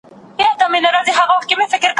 اقتصاد د تولید، توزیع او مصرف په اړه مطالعه کوي.